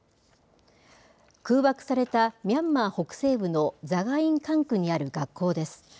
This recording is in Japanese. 空爆されたミャンマー北西部のザガイン管区にある学校です。